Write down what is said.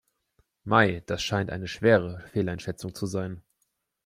Mei, das scheint eine schwere Fehleinschätzung zu sein.